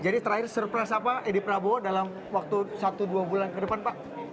jadi terakhir surprise apa edip prabowo dalam waktu satu dua bulan ke depan pak